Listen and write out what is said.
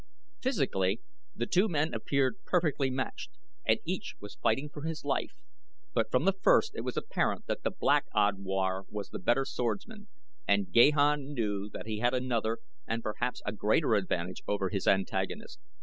Physically the two men appeared perfectly matched and each was fighting for his life, but from the first it was apparent that the Black Odwar was the better swordsman, and Gahan knew that he had another and perhaps a greater advantage over his antagonist.